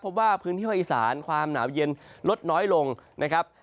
พบว่าพื้นที่ภาคอีสานความหนาวเย็นลดน้อยลงนะครับ